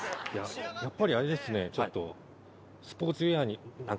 やっぱりあれですねちょっと。